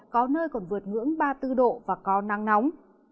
có nơi còn vượt ngưỡng ba mươi bốn độ và có nắng nóng